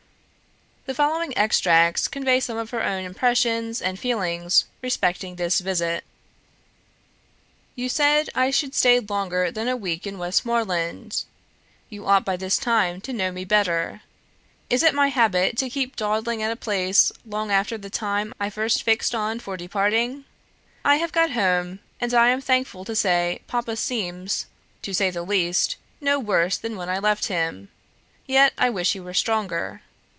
The following extracts convey some of her own impressions and feelings respecting this visit: "You said I should stay longer than a week in Westmoreland; you ought by this time to know me better. Is it my habit to keep dawdling at a place long after the time I first fixed on for departing? I have got home, and I am thankful to say Papa seems, to say the least, no worse than when I left him, yet I wish he were stronger.